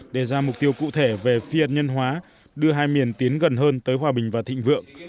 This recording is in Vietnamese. đề ra mục tiêu cụ thể về phi hạt nhân hóa đưa hai miền tiến gần hơn tới hòa bình và thịnh vượng